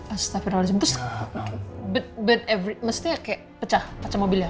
astagfirullahaladzim terus bed every mesti ya kayak pecah pacar mobil ya